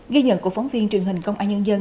ghi nhận của phóng viên truyền hình công an nhân dân